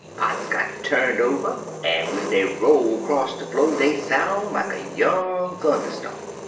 — pots got turned over, an* ^en dey roll 'cross de flo' dey soun' like a young thun derstorm.